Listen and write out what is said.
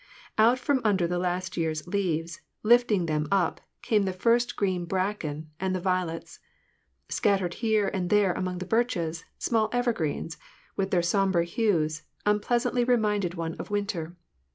Out from under the last year's leaves, lifting them up, came the first green bracken and the violets. Scattered here and there among the birches, small evergreens, with their sombre hues, unpleasantly reminded one of winter.